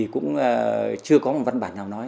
cũng chưa có một văn bản nào nói